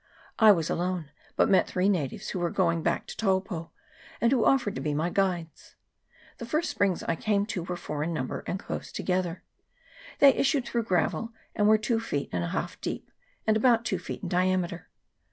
I was alone; but met three natives, who were going back to Taupo, and who offered to be my guides. The first springs I came to were four in number, and close together. They issued through gravel, and were two feet and a half deep, and about two feet in diameter.